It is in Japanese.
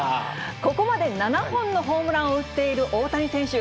ここまで７本のホームランを打っている大谷選手。